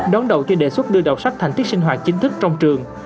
đón đầu cho đề xuất đưa đọc sách thành tiết sinh hoạt chính thức trong trường